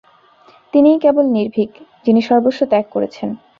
তিনিই কেবল নির্ভীক, যিনি সর্বস্ব ত্যাগ করেছেন।